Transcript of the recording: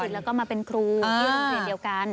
แล้วก็มาเป็นครูที่ลูกสิทธิ์เดียวกัน